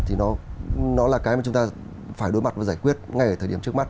thì nó là cái mà chúng ta phải đối mặt và giải quyết ngay ở thời điểm trước mắt